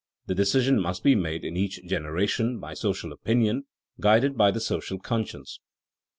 The decision must be made in each generation by social opinion, guided by the social conscience.